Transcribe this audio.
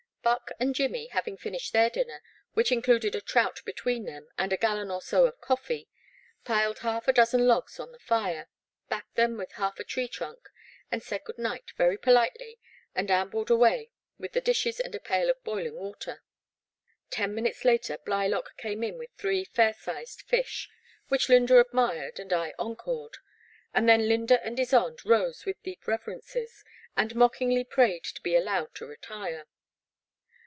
Buck and Jimmy, having finished their dinner, which included a trout between them and a gallon or so of coffee, piled half a dozen logs on the fire, backed them with half a tree trunk, said good night very politely, and ambled away with the dishes and a pail of boiling water. Ten minutes later Blylock came in with three fair sized fish, which Lynda admired and I encored, and then Lynda and Ysonde rose with deep reverences, and mockingly prayed to be allowed to retire.